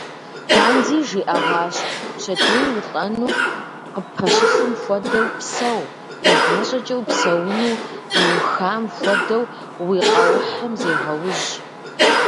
Ганди жиӏагъащ: пщэдей улӏэну къыппэщылъым хуэдэу псэу, игъащӏэкӏэ упсэуну иухам хуэдэу уи къэухьым зегъэужь.